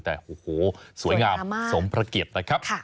แต่โอ้โหสวยงามสมพระเกียรตินะครับ